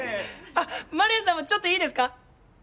あっ丸谷さんもちょっといいですか？